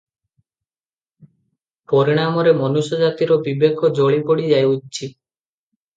ପରିଣାମରେ ମନୁଷ୍ୟଜାତିର ବିବେକ ଜଳିପୋଡ଼ି ଯାଇଅଛି ।